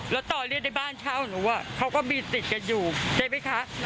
แล้วต่อเรียกในบ้านเช่าหนูเขาก็มีติดกันอยู่ใช่ไหมคะ